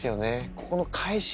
ここの返し。